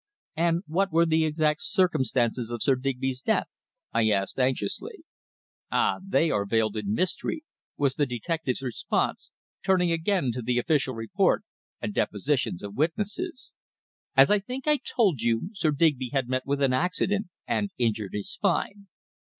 "And what were the exact circumstances of Sir Digby's death?" I asked anxiously. "Ah! they are veiled in mystery," was the detective's response, turning again to the official report and depositions of witnesses. "As I think I told you, Sir Digby had met with an accident and injured his spine.